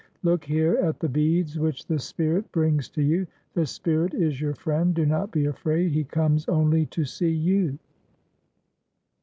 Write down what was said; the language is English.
Look here at the beads which the Spirit brings to you. The Spirit is your friend; do not be afraid; he comes only to see you."